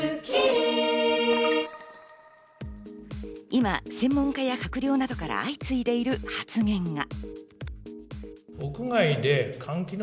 今、専門家や閣僚などから相次いでいる発言が。